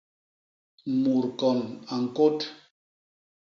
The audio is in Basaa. Mut kon a ñkôt